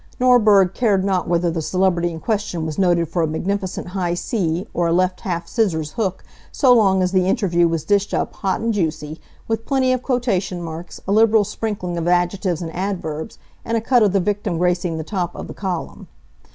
Norberg cared not whether the celebrity in question was noted for a magnificent high C, or a left half scissors hook, so long as the interview was dished up hot and juicy, with plenty of quotation marks, a liberal sprinkling of adjectives and adverbs, and a cut of the victim gracing the top of the column.